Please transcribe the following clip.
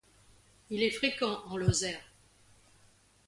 Il est fréquent en Lozère.